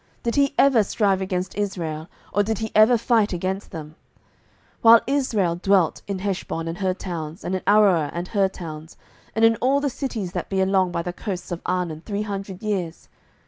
did he ever strive against Israel, or did he ever fight against them, 07:011:026 While Israel dwelt in Heshbon and her towns, and in Aroer and her towns, and in all the cities that be along by the coasts of Arnon, three hundred years?